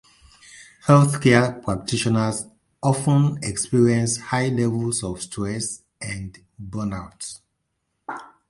Healthcare practitioners often experience high levels of stress and burnout.